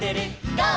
「ゴー！